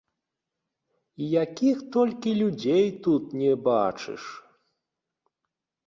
І якіх толькі людзей тут не бачыш!